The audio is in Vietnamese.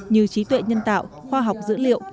như trí tuệ nhân tạo khoa học dữ liệu